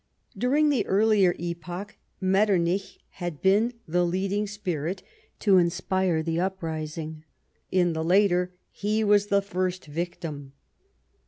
During the earlier epoch, Metternich had been the leading spirit to insj)ire the uprising ; in the later, he was the first victim.